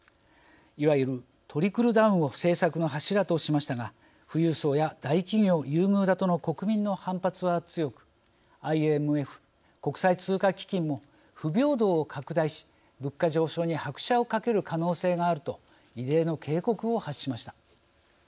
いわゆるトリクルダウンを政策の柱としましたが富裕層や大企業優遇だとの国民の反発は強くＩＭＦ＝国際通貨基金も「不平等を拡大し、物価上昇に拍車をかける可能性がある」と異例の警告を発しました。